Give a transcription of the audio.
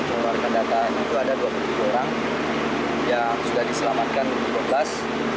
keluarga datang itu ada dua puluh tujuh orang yang sudah diselamatkan dua belas